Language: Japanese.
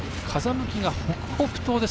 風向きが北北東。